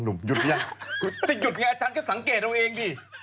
จะหยุดอย่างนี้อาจารย์ก็สังเกตตัวเองดิ